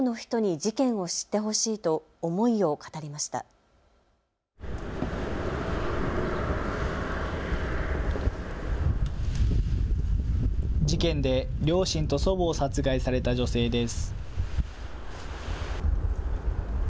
事件で両親と祖母を殺害された女性です。